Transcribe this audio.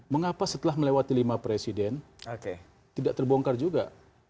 mengapa setelah melewati lima presiden tidak terbongkar juga